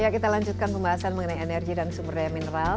ya kita lanjutkan pembahasan mengenai energi dan sumber daya mineral